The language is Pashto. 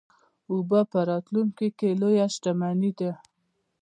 اوبه په راتلونکي کې لویه شتمني ده.